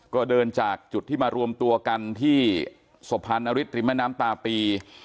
ก็เดินจากจุดที่มารวมตัวกันที่สะพานนฤทธิริมแม่น้ำตาปี